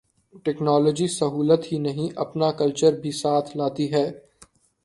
Technology سہولت ہی نہیں، اپنا کلچر بھی ساتھ لاتی ہے۔